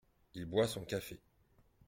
Il boit son café.